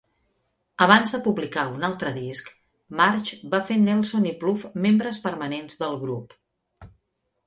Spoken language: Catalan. Abans de publicar un altre disc, Martsch va fer Nelson i Plouf membres permanents del grup.